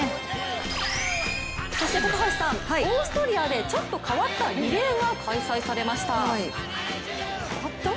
そして高橋さん、オーストリアでちょっと変わったリレーが開催されました。